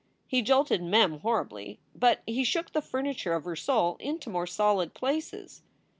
He jolted Mem horribly, but he shook the furni ture of her soul into more solid places.